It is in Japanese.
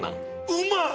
うまい！